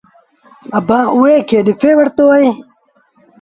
اڀآنٚ اُئي کي ڏسي وٺتو اهي۔